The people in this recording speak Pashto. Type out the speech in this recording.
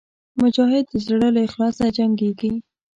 مجاهد د زړه له اخلاصه جنګېږي.